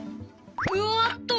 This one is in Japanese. うわっと！